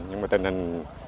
nhưng mà tình hình